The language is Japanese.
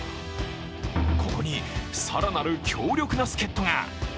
ここに更なる強力な助っとが。